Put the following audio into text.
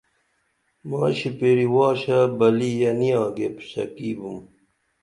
مائی شِپیری واشہ بلِیہ نی آگیپ شکی بُم